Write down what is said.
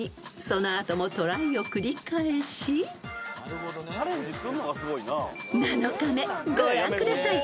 ［その後もトライを繰り返し］［ご覧ください。